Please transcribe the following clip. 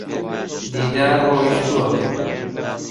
دیدار ڕۆیشتووە.